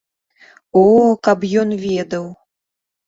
О, каб ён ведаў!